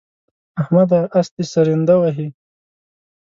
احمده! اس دې سرنده وهي.